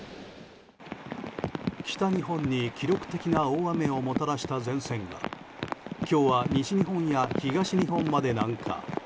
北日本に記録的な大雨をもたらした前線が今日は西日本や東日本まで南下。